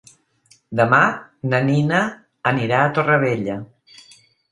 Demà na Nina anirà a Torrevella.